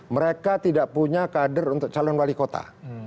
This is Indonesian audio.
mereka tidak punya kader untuk calon wali kota